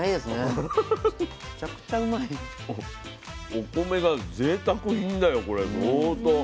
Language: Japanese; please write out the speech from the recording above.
お米がぜいたく品だよこれ相当。